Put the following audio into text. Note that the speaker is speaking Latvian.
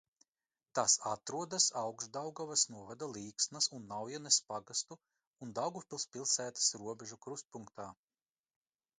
Tas atrodas Augšdaugavas novada Līksnas un Naujenes pagastu un Daugavpils pilsētas robežu krustpunktā.